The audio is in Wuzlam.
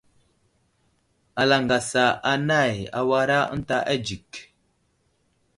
Alaŋgasa anay awara ənta adzik.